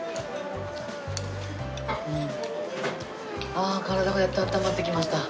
ああ体がやっとあったまってきました。